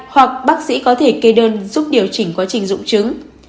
hoặc bác sĩ có thể kê đơn giúp điều chỉnh quá trình dụng chứng